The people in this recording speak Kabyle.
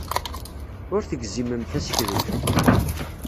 Ur tegzimemt aseklu.